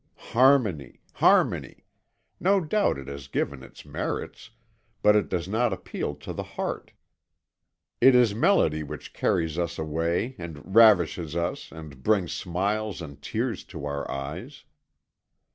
Harmony, harmony!... No doubt it has given its merits, but it does not appeal to the heart. It is melody which carries us away and ravishes us and brings smiles and tears to our eyes."